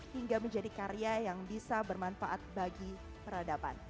hingga menjadi karya yang bisa bermanfaat bagi peradaban